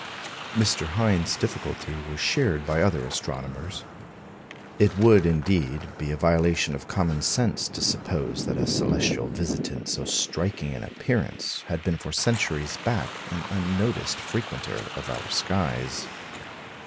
" Mr. Hind's difficulty was shared by other astronomers. It would, indeed, be a violation of common sense to suppose that a celestial visitant so striking in appearance had been for centuries back an unnoticed frequenter of our skies.